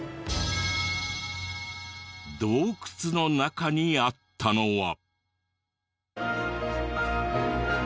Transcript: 洞窟の中にあったのは。